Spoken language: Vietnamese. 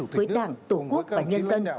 với đảng tổ quốc và nhân dân